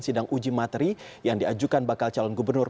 sidang uji materi yang diajukan bakal calon gubernur